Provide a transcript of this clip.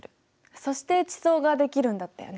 そして地層ができるんだったよね。